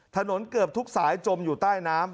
เกือบทุกสายจมอยู่ใต้น้ำ